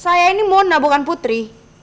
saya ini mona bukan putri